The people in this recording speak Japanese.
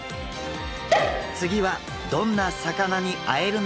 次はどんな魚に会えるのでしょうか？